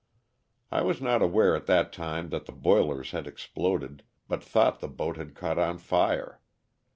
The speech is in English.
I was not aware at that time that the boilers had exploded, but thought the boat had caught on fire.